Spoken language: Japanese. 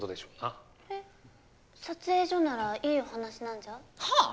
えっ撮影所ならいいお話なんじゃ？はあ！？